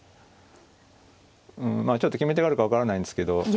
うんちょっと決め手があるか分からないんですけど。